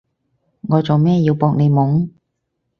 我做咩要搏你懵？